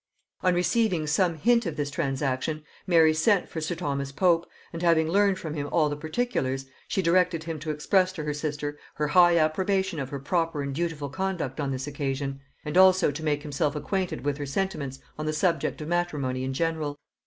On receiving some hint of this transaction, Mary sent for sir Thomas Pope, and having learned from him all the particulars, she directed him to express to her sister her high approbation of her proper and dutiful conduct on this occasion; and also to make himself acquainted with her sentiments on the subject of matrimony in general.